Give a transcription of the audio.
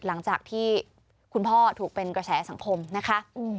หลังจากที่คุณพ่อถูกเป็นกระแสสังคมนะคะ